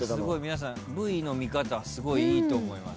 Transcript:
皆さんＶの見方はすごいいいと思います。